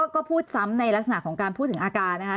ก็พูดซ้ำในลักษณะของการพูดถึงอาการนะคะ